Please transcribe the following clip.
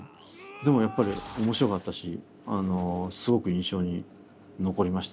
でもやっぱり面白かったしあのすごく印象に残りましたね。